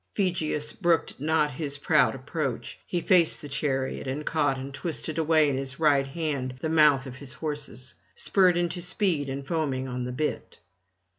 Phegeus brooked not his proud approach; he faced the chariot, and caught and twisted away in his right hand the mouths of his horses, spurred into speed and foaming on the bit.